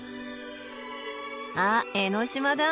あっ江の島だ！